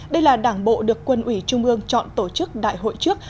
đây là đảng bộ được quân ủy trung ương chọn tổ chức đại hội trước